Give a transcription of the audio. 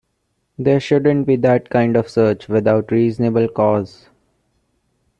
There shouldn't be that kind of search without reasonable cause.